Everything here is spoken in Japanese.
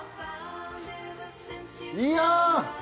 いや！